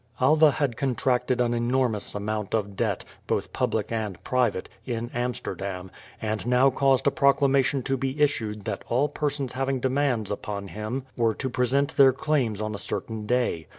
Alva had contracted an enormous amount of debt, both public and private, in Amsterdam, and now caused a proclamation to be issued that all persons having demands upon him were to present their claims on a certain day.